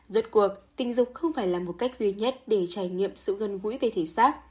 rốt cuộc tình dục không phải là một cách duy nhất để trải nghiệm sự gần gũi về thể xác